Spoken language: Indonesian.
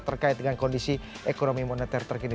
terkait dengan kondisi ekonomi moneter terkini